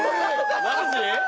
マジ？